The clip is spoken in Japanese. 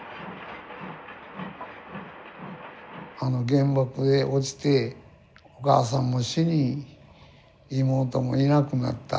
原爆が落ちてお母さんも死に妹もいなくなった。